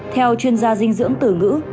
theo chuyên gia dinh dưỡng từ ngữ